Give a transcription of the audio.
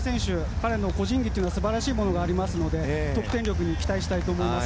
彼の個人技は素晴らしいものがありますので得点力に期待したいと思います。